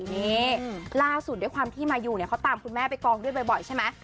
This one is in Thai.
นี่ล่าสุดด้วยความที่มายูเนี่ยเขาตามคุณแม่ไปกองด้วยบ่อยใช่ไหม